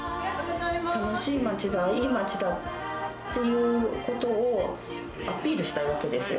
楽しい町だ、いい町だっていうことをアピールしたいわけですよ。